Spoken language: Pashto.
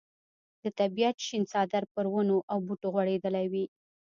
د طبیعت شین څادر پر ونو او بوټو غوړېدلی وي.